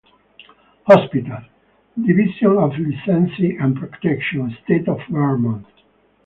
Hospitals, Division of Licensing and Protection, State of Vermont.